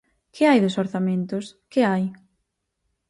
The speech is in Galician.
¿Que hai dos orzamentos?, ¿que hai?